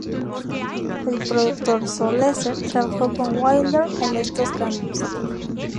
El productor Sol Lesser trabajó con Wilder en estos cambios.